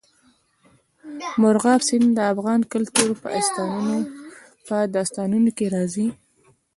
مورغاب سیند د افغان کلتور په داستانونو کې راځي.